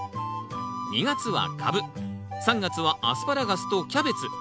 ２月は「カブ」３月は「アスパラガス」と「キャベツ」。